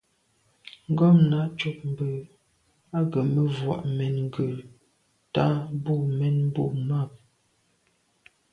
Ngômnà' cúp mbə̄ á gə̀ mə̄ vwá' mɛ́n gə ̀tá bû mɛ́n bû máàp.